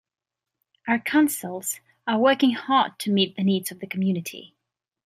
Our Councils are working hard to meet the needs of the community.